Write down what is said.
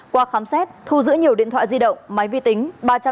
qua khám xét thu giữ nhiều điện thoại di động máy vi tính